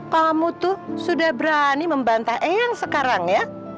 kamu tuh sudah berani membantah eyang sekarang ya